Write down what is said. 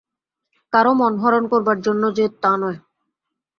কারো মন হরণ করবার জন্যে যে, তা নয়।